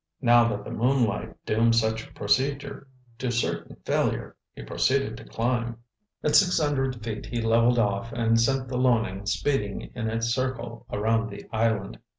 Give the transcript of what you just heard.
Now that the moonlight doomed such procedure to certain failure, he proceeded to climb. At six hundred feet, he leveled off and sent the Loening speeding in a circle around the island.